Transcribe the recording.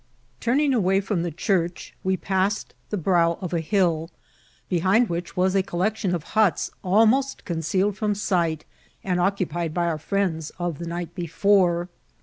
TuitNiNO away from the church, we passed the brow of a hill, behind which was a collection of huts almost concealed from sight, and occupied by our friends of the night before.